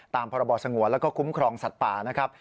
ตามพศและก็คุ้มครองสัตว์ป่านะครับ